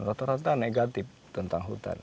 rata rata negatif tentang hutan